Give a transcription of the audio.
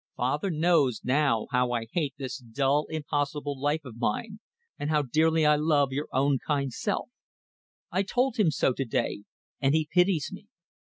Father knows now how I hate this dull, impossible life of mine, and how dearly I love your own kind self. I told him so to day, and he pities me.